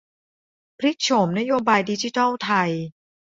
พลิกโฉมนโยบายดิจิทัลไทย